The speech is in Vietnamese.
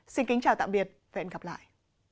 xin kính chào tạm biệt và hẹn gặp lại